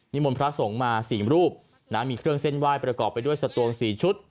มนต์พระสงฆ์มา๔รูปนะมีเครื่องเส้นไหว้ประกอบไปด้วยสตวง๔ชุด